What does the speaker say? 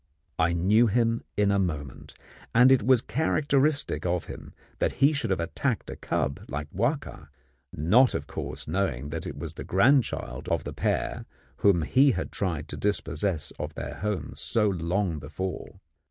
I knew him in a moment, and it was characteristic of him that he should have attacked a cub like Wahka not, of course, knowing that it was the grandchild of the pair whom he had tried to dispossess of their home so long before.